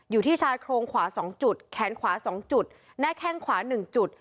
อยู่ที่ชายโครงขวา๒จุดแขนขวา๒จุดหน้าแข้งขวา๑จุด